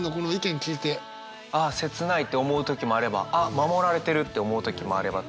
ああ切ないと思う時もあればあっ守られてるって思う時もあればという。